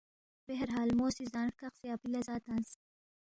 بہرحال مو سی زان ہرکقسے اپی لہ زا تنگس